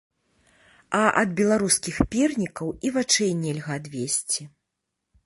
А ад беларускіх пернікаў і вачэй нельга адвесці.